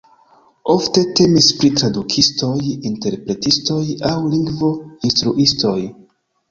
Ofte temis pri tradukistoj, interpretistoj aŭ lingvo-instruistoj.